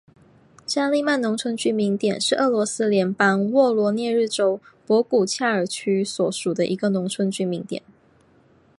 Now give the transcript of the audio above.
扎利曼农村居民点是俄罗斯联邦沃罗涅日州博古恰尔区所属的一个农村居民点。